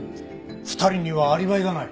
２人にはアリバイがない。